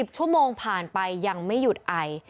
ชั่วโมงผ่านไปยังไม่หยุดไอ